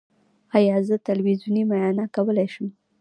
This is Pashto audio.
ایا زه تلویزیوني معاینه کولی شم؟